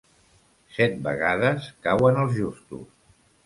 Set vegades cauen els justos.